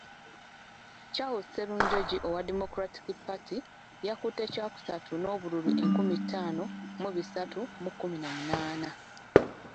Charles Sserunjogi owa Democratic Party yakutte kyakusatu n'obululu enkumi ttaano mu bisatu mu kkumi na munaana.